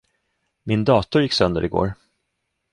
Min dator gick sönder igår.